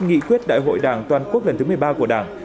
nghị quyết đại hội đảng toàn quốc lần thứ một mươi ba của đảng